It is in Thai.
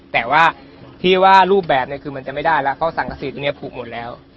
แต่ว่าที่ว่ารูปแบบเนี่ยคือมันจะไม่ได้แล้วเพราะสังขสิทธิ์ตรงนี้ผูกหมดแล้ว